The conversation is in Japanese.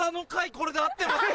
これで合ってますか？